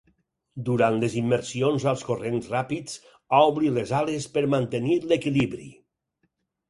Durant les immersions als corrents ràpids, obri les ales per mantenir l'equilibri.